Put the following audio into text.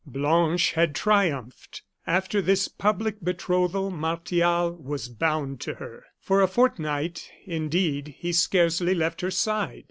Blanche had triumphed. After this public betrothal Martial was bound to her. For a fortnight, indeed, he scarcely left her side.